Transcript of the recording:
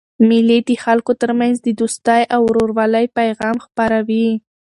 مېلې د خلکو ترمنځ د دوستۍ او ورورولۍ پیغام خپروي.